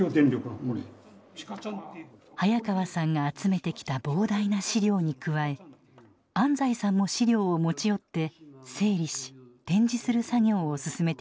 早川さんが集めてきた膨大な資料に加え安斎さんも資料を持ち寄って整理し展示する作業を進めてきました。